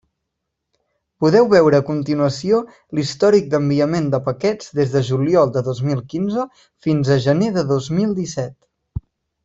Podeu veure a continuació l'històric d'enviament de paquets des de juliol de dos mil quinze fins a gener de dos mil disset.